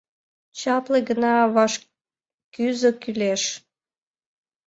Чапле гына вашкӱзӧ кӱлеш.